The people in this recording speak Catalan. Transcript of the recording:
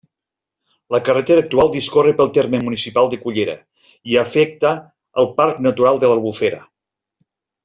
La carretera actual discorre pel terme municipal de Cullera, i afecta el Parc Natural de l'Albufera.